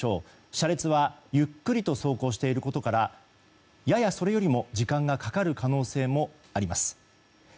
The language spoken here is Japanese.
車列はゆっくりと走行していることからやや、それよりも時間がかかる可能性もあります。